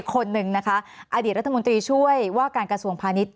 คนหนึ่งนะคะอดีตรัฐมนตรีช่วยว่าการกระทรวงพาณิชย